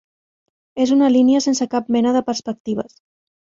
És una línia sense cap mena de perspectives.